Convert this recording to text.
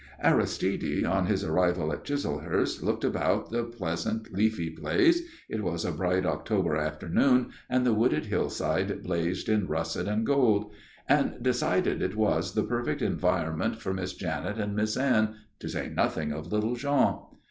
Aristide on his arrival at Chislehurst looked about the pleasant, leafy place it was a bright October afternoon and the wooded hillside blazed in russet and gold and decided it was the perfect environment for Miss Janet and Miss Anne, to say nothing of little Jean.